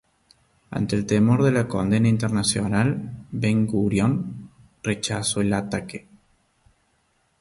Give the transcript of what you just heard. Ante el temor de una condena internacional, Ben-Gurión rechazó el ataque.